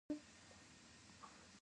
د سرې میاشتې ټولنه چا سره مرسته کوي؟